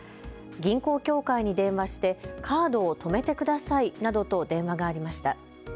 銀行協会に電話してカードを止めてくださいなどと電話がありました。